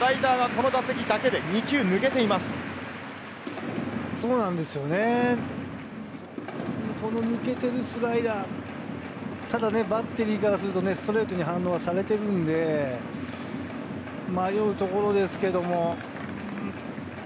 この抜けてるスライダー、ただ、バッテリーからすると、ストレートに反応はされてるので、迷うところですけども。